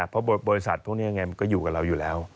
เพราะบริษัทพวกนี้ไงมันก็อยู่กับเราอยู่แล้ว